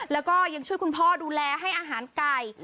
แล้วก็ยังช่วยคุณพ่อดูแลให้อาหารไก่